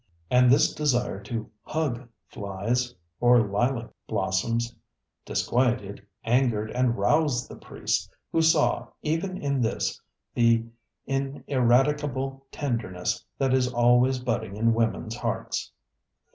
ŌĆØ And this desire to ŌĆ£hugŌĆØ flies or lilac blossoms disquieted, angered, and roused the priest, who saw, even in this, the ineradicable tenderness that is always budding in women's hearts.